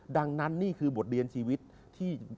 ดังนั้นนี่คือบทเรียนชีวิตที่